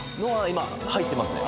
今入ってますね。